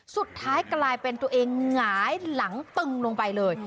สุดท้ายกลายเป็นตัวเองหงายหลังตึงลงไปเลย